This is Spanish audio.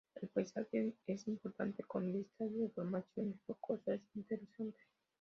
El paisaje es importante con vistas de formaciones rocosas interesantes.